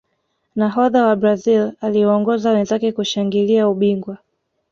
nahodha wa brazil aliwaongoza wenzake kushangilia ubingwa